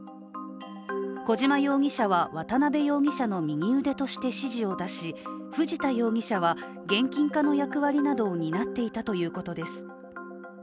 小島容疑者は渡辺容疑者の右腕として指示を出し藤田容疑者は、現金化の役割などを担っていたということです。